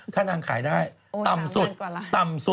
ถ้านางขายได้ต่ำสุดต่ำสุด